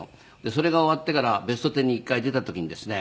それが終わってから『ベストテン』に一回出た時にですね